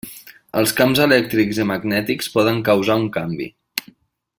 Els camps elèctrics i magnètics poden causar un canvi.